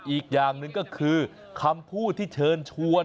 อีกอย่างหนึ่งก็คือคำพูดที่เชิญชวน